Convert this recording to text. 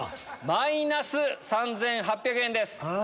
マイナス３８００円です。